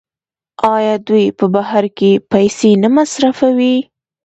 آیا دوی په بهر کې پیسې نه مصرفوي؟